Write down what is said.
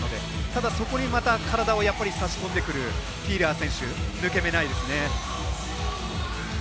ただ、そこに体を差し込んでくるフィーラー選手抜け目ないですね。